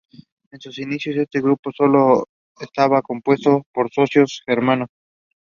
The election was held alongside an election to Stevenage Borough Council.